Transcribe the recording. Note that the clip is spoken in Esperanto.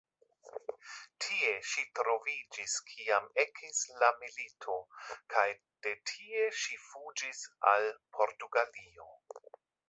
Tie ŝi troviĝis kiam ekis la milito, kaj de tie ŝi fuĝis al Portugalio.